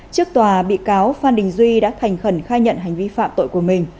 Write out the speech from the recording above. trước tòa bị cáo phan đình duy đã thành khẩn khai nhận hành vi phạm tội của mình